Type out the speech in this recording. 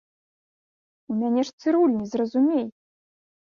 У мяне ж цырульні, зразумей!